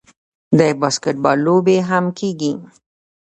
د باسکیټبال لوبې هم کیږي.